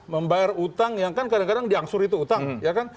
membayar utang yang kan kadang kadang diangsur itu utang ya kan